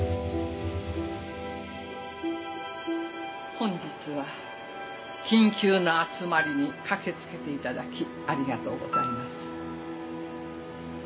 本日は緊急な集まりに駆け付けていただきありがとうございます。